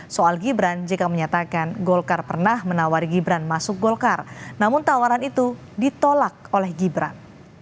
soal gibran jk menyatakan golkar pernah menawari gibran masuk golkar namun tawaran itu ditolak oleh gibran